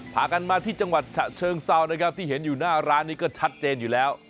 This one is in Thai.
พากันมาที่จังหวัดฉะเชิงเซานะครับที่เห็นอยู่หน้าร้านนี้ก็ชัดเจนอยู่แล้ว